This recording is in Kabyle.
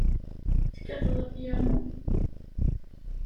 Tekkateḍ apyanu?